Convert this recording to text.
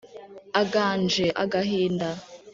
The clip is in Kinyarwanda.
aganje agahinda